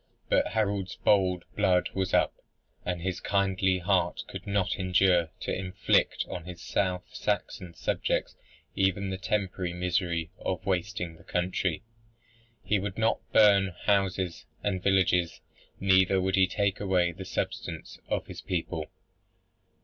But Harold's bold blood was up, and his kindly heart could not endure to inflict on his South Saxon subjects even the temporary misery of wasting the country. "He would not burn houses and villages, neither would he take away the substance of his people."